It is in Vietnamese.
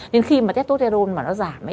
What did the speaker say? nên khi mà tetosterone nó giảm